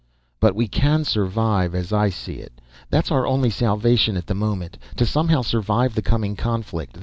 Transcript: "But we can survive. As I see it, that's our only salvation at the moment to somehow survive the coming conflict.